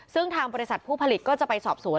ซึ่งทางบริษัทผู้ผลิตก็จะไปสอบสวน